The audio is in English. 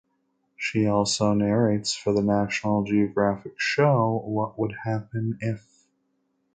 She also narrates for the National Geographic show "What Would Happen If".